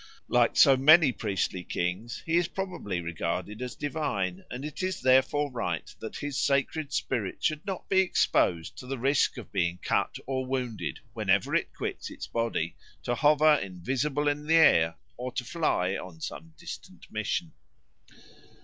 Like so many priestly kings, he is probably regarded as divine, and it is therefore right that his sacred spirit should not be exposed to the risk of being cut or wounded whenever it quits his body to hover invisible in the air or to fly on some distant mission.